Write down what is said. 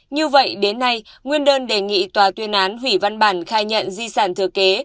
như vậy đến nay nguyên đơn đề nghị tòa tuyên án hủy văn bản khai nhận di sản thừa kế